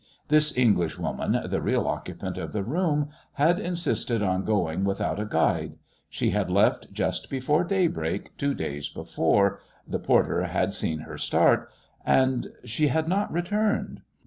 This Englishwoman, the real occupant of the room, had insisted on going without a guide. She had left just before daybreak two days before the porter had seen her start and ... she had not returned!